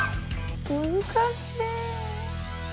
難しい。